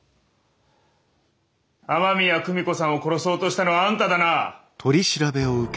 雨宮久美子さんを殺そうとしたのはあんただな？